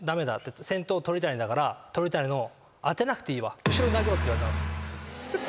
「先頭鳥谷だから鳥谷の当てなくていいわ後ろに投げろ」って言われたんですよ。